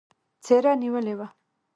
څېره نېولې وه.